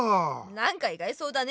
なんか意外そうだね。